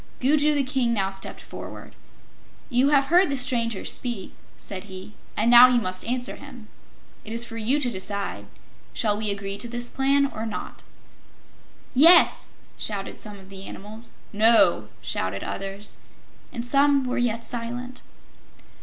Gugu the King now stepped forward. "You have heard the stranger speak," said he, "and now you must answer him. It is for you to decide. Shall we agree to this plan, or not?" "Yes!" shouted some of the animals. "No!" shouted others. And some were yet silent.